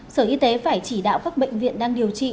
sở y tế phải chỉ đạo các bệnh viện đang điều trị